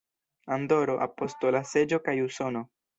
Andoro, Apostola Seĝo kaj Usono.